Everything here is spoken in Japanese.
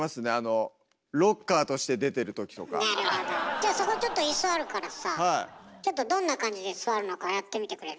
じゃあそこちょっと椅子あるからさちょっとどんな感じで座るのかやってみてくれる？